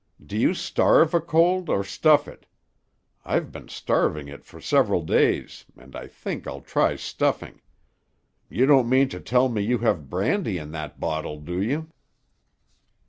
Do you starve a cold, or stuff it? I've been starving it for several days, and I think I'll try stuffing. You don't mean to tell me you have brandy in that bottle, do you?"